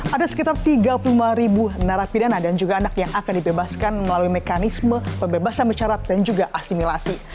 ada sekitar tiga puluh lima ribu narapidana dan juga anak yang akan dibebaskan melalui mekanisme pembebasan bercarat dan juga asimilasi